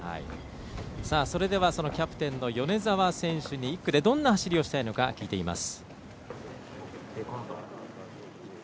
それではキャプテンの米澤選手に１区でどんな走りをしたいのか聞いています。